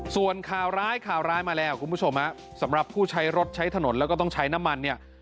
ส่วนข่าวร้ายข่าวร้ายมาแล้วคุณผู้ชมสำหรับผู้ใช้รถใช้ถนนแล้วก็ต้องใช้น้ำมันเนี่ย